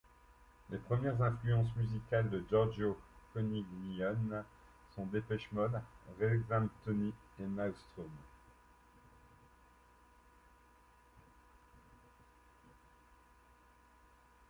Les premières influences musicales de Giorgio Coniglione sont Depeche Mode, Rexanthony et Nostrum.